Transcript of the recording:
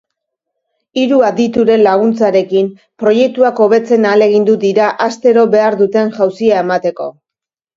Hiru adituren laguntzarekin, proiektuak hobetzen ahalegindu dira astero behar duten jauzia emateko.